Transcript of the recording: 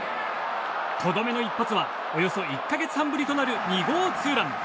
とどめの一発はおよそ１か月半ぶりとなる２号ツーラン。